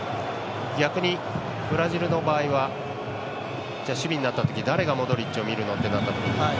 逆にブラジルの場合は守備になったとき誰がモドリッチを見るのとなったときに。